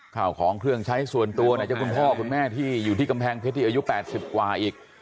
ข่าวของเครื่องใช้ส่วนตัวไหนจะคุณพ่อคุณแม่ที่อยู่ที่กำแพงเพชรที่อายุ๘๐กว่าอีก